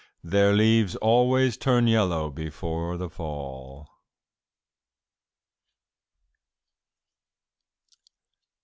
Their leaves always turn yellow before the fall."